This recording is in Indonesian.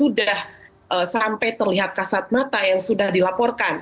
sudah sampai terlihat kasat mata yang sudah dilaporkan